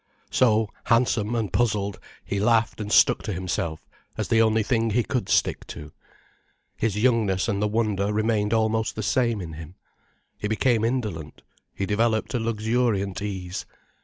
So, handsome and puzzled, he laughed and stuck to himself as the only thing he could stick to. His youngness and the wonder remained almost the same in him. He became indolent, he developed a luxuriant ease.